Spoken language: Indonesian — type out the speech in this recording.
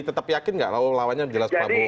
tetap yakin nggak kalau lawannya jelas prabowo